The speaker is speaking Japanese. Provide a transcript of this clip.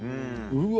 うわ